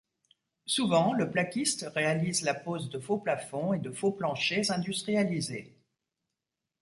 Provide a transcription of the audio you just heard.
Souvent, le plaquiste réalise la pose de faux-plafond et de faux-planchers industrialisés.